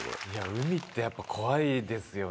海ってやっぱ怖いですよね。